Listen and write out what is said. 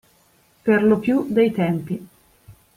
per lo più dei tempi.